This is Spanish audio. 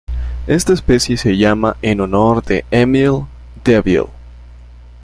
Esta especie se llama en honor de Emile Deville.